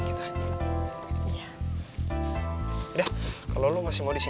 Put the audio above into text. biasanya cuma mau saling ngeliat desain